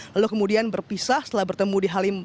lalu kemudian berpisah setelah bertemu di halim